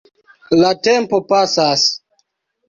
La tempo pasas.